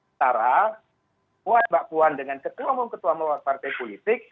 setara mbak puan dengan ketua memang ketua melawak partai politik